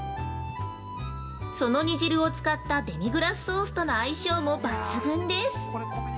その煮汁を使ったデミグラスソースとの相性も抜群です。